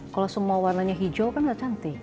kalau semua warnanya hijau kan nggak cantik